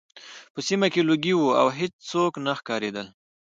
په سیمه کې لوګي وو او هېڅوک نه ښکارېدل